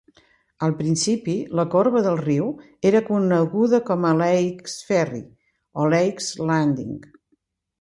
Al principi, la corba del riu era coneguda com a Lake's Ferry o Lake's Landing.